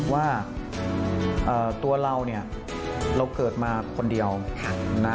ว่าตัวเราเนี่ยเราเกิดมาคนเดียวนะ